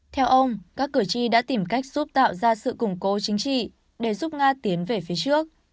theo ông các cử tri đã tìm cách giúp tạo ra sự củng cố chính trị để giúp nga tiến về phía trước